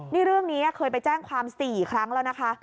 นี่เรื่องนี้เคยไปแจ้งความ๔ครั้งแล้วนะคะ